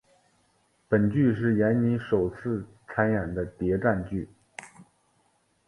本剧是闫妮首次参演的谍战剧。